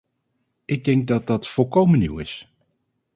Ik denk dat dat volkomen nieuw is.